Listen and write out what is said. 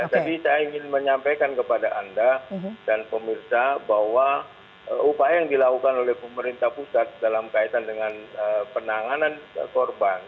jadi saya ingin menyampaikan kepada anda dan pemirsa bahwa upaya yang dilakukan oleh pemerintah pusat dalam kaitan dengan penanganan korban